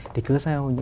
thì cứ sao